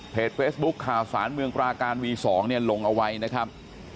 เฟซบุ๊คข่าวสารเมืองปราการวี๒เนี่ยลงเอาไว้นะครับ